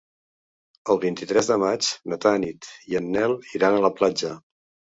El vint-i-tres de maig na Tanit i en Nel iran a la platja.